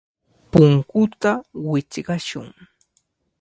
Punkuta wichqashun.